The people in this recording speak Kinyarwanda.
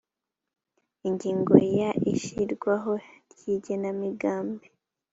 ingingo ya ishyirwaho ry igenamigambi